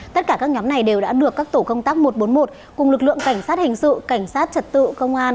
tất cả các nhóm này đều đã được các tổ công tác một trăm bốn mươi một cùng lực lượng cảnh sát hình sự cảnh sát trật tự công an